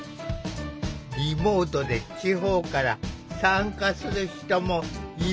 リモートで地方から参加する人もいるほどの人気ぶり。